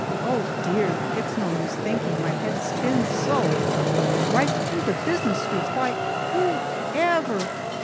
Oh, dear! it's no use thinking, my head spins so. Right through the business streets! Why, who ever